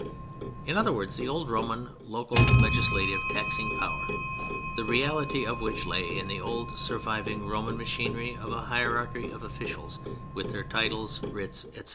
In other words, the old Roman local legislative and taxing power, the reality of which lay in the old surviving Roman machinery of a hierarchy of officials with their titles, writs, etc.